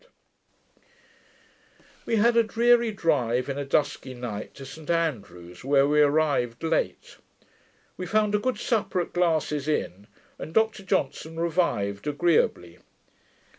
] We had a dreary drive, in a dusky night, to St Andrews, where we arrived late. We found a good supper at Glass's inn, and Dr Johnson revived agreeably.